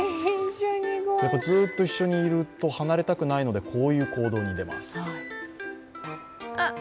ずっと一緒にいると離れたくないのでこういう行動に出ます。